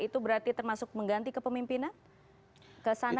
itu berarti termasuk mengganti ke pemimpinan